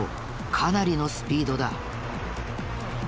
かなりのスピードだ。